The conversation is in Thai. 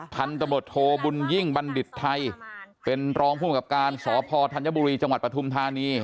พันธบทโทบุญยิ่งบัณฑิตไทยเป็นรองภูมิกับการสพธัญบุรีจังหวัดปฐุมธานี